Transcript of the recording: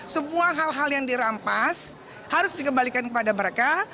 semua hal hal yang dirampas harus dikembalikan kepada mereka